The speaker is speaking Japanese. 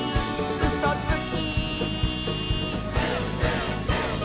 「うそつき！」